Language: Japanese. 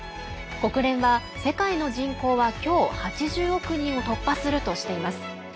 国連は、世界の人口は今日８０億人を突破するとしています。